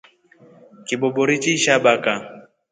Kibobori chili sha baka.